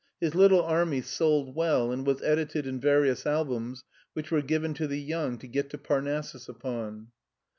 His little army sold well and was edited in various Albums which were given to the young to get to Parnassus upon.